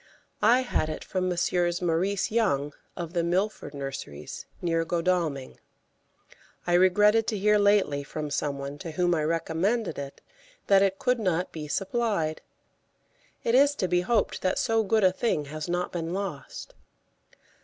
I had it from Messrs. Maurice Young, of the Milford Nurseries, near Godalming. I regretted to hear lately from some one to whom I recommended it that it could not be supplied. It is to be hoped that so good a thing has not been lost.